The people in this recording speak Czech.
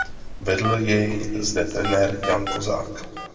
Vedl jej zde trenér Ján Kozák.